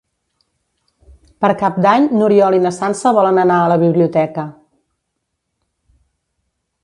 Per Cap d'Any n'Oriol i na Sança volen anar a la biblioteca.